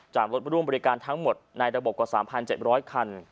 รถร่วมบริการทั้งหมดในระบบกว่า๓๗๐๐คัน